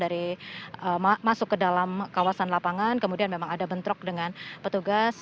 dari masuk ke dalam kawasan lapangan kemudian memang ada bentrok dengan petugas